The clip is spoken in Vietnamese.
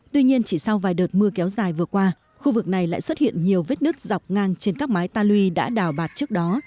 tuy nhiên chỉ sau vài đợt mưa kéo dài vừa qua khu vực này lại xuất hiện nhiều vết nứt dọc ngang trên các mái ta luy đã đào bạt trước đó